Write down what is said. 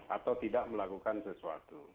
atau tidak melakukan sesuatu